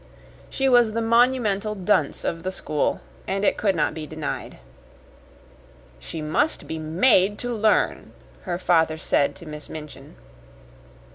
She was the monumental dunce of the school, and it could not be denied. "She must be MADE to learn," her father said to Miss Minchin.